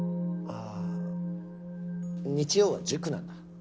ああ日曜は塾なんだ。